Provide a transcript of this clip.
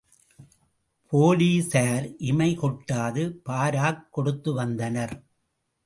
போலிஸார் இமைகொட்டாது பாராக் கொடுத்து வந்தனர்.